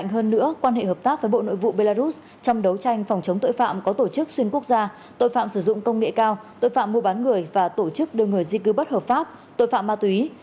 hơn nữa quan hệ hợp tác với bộ nội vụ belarus trong đấu tranh phòng chống tội phạm có tổ chức xuyên quốc gia tội phạm sử dụng công nghệ cao tội phạm mua bán người và tổ chức đưa người di cư bất hợp pháp tội phạm ma túy